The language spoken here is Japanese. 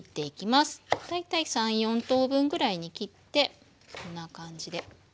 大体３４等分ぐらいに切ってこんな感じで。